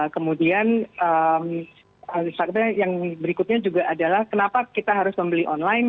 kemudian yang berikutnya juga adalah kenapa kita harus membeli online